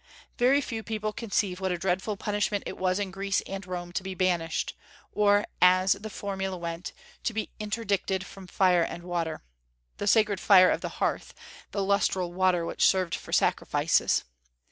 Very few people conceive what a dreadful punishment it was in Greece and Rome to be banished; or, as the formula went, "to be interdicted from fire and water," the sacred fire of the hearth, the lustral water which served for sacrifices.